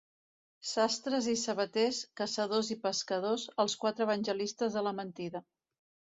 Sastres i sabaters, caçadors i pescadors, els quatre evangelistes de la mentida.